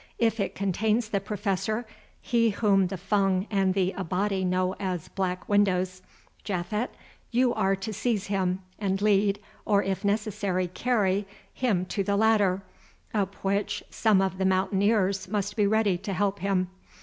If it contains the Professor, he whom the Fung and the Abati know as Black Windows, Japhet, you are to seize him and lead, or if necessary carry, him to the ladder, up which some of the mountaineers must be ready to help him.